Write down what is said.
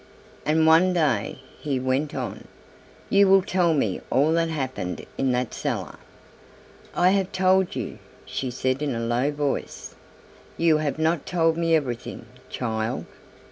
"And one day," he went on, "you will tell me all that happened in that cellar." "I have told you," she said in a low voice. "You have not told me everything, child."